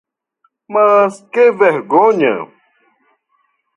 Mas que vergonha!